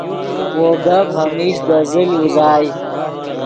وو گپ ہمیش دے زل اوزائے